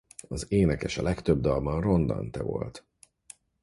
Az énekes a legtöbb dalban Ron Dante volt.